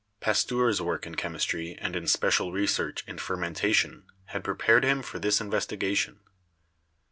Pasteur's work in chemistry and in special research in fermentation had prepared him for this investigation.